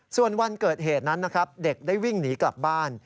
ส่วนวันเกิดเหตุนั้นนะครับเด็กได้วิ่งหนีกลับบ้าน